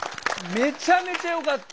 めちゃめちゃよかった！